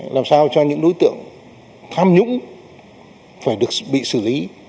làm sao cho những đối tượng tham nhũng phải được bị xử lý